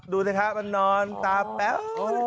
ดูเถอะครับมันนอนตาแปลวววเออ